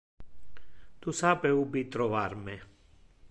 Tu sape ubi trovar me.